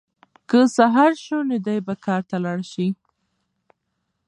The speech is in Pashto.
که سهار شي نو دی به کار ته لاړ شي.